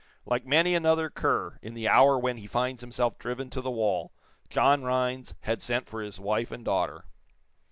Like many another cur, in the hour when he finds himself driven to the wall, John Rhinds had sent for his wife and daughter.